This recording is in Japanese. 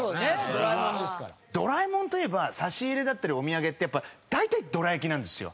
『ドラえもん』といえば差し入れだったりお土産ってやっぱ大体どら焼きなんですよ。